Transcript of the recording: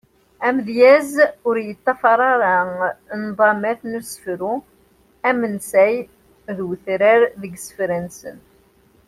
Amedyaz ur yeṭṭafar ara nḍamat n usefru amensay d utrar deg isefra-nsen.